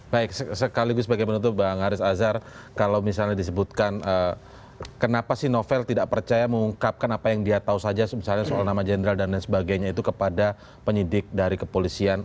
baik sekaligus sebagai penutup bang haris azhar kalau misalnya disebutkan kenapa sih novel tidak percaya mengungkapkan apa yang dia tahu saja misalnya soal nama jenderal dan lain sebagainya itu kepada penyidik dari kepolisian